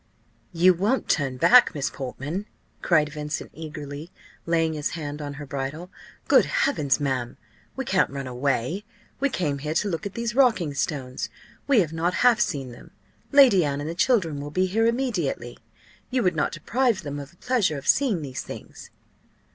"You won't turn back, Miss Portman?" cried Vincent eagerly, laying his hand on her bridle. "Good Heavens, ma'am! we can't run away! We came here to look at these rocking stones! We have not half seen them. Lady Anne and the children will be here immediately. You would not deprive them of the pleasure of seeing these things!"